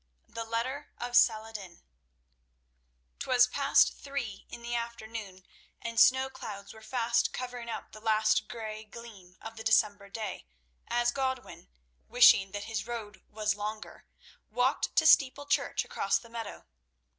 The Letter of Saladin Twas past three in the afternoon, and snow clouds were fast covering up the last grey gleam of the December day, as Godwin, wishing that his road was longer, walked to Steeple church across the meadow.